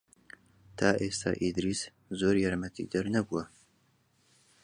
تا ئێستا ئیدریس زۆر یارمەتیدەر نەبووە.